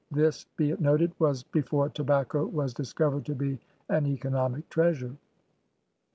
'* This, be it noted, was before tobacco was dis covered to be an economic treasure.